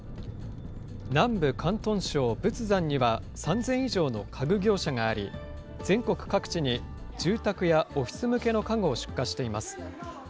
南部広東省仏山には３０００以上の家具業者があり、全国各地に住宅やオフィス向けの家具を出荷しています。